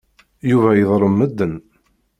Yuba yeḍlem medden.